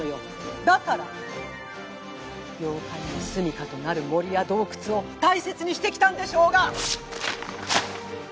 だから妖怪のすみかとなる森や洞窟を大切にしてきたんでしょうが！